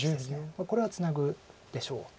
これはツナぐでしょう。